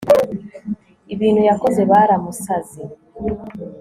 Ibintu yakoze baramusaze